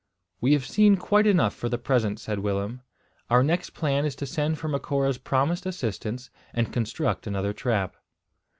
"We have seen quite enough for the present," said Willem. "Our next plan is to send for Macora's promised assistance, and construct another trap."